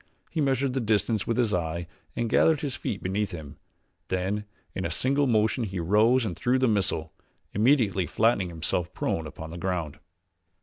He measured the distance with his eye and gathered his feet beneath him, then in a single motion he rose and threw the missile, immediately flattening himself prone upon the ground.